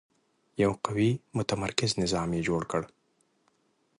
یو قوي متمرکز نظام یې جوړ کړ.